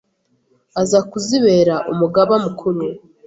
aza kuzibera Umugaba Mukuru,